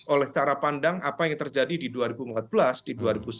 oleh cara pandang apa yang terjadi di dua ribu empat belas di dua ribu sembilan belas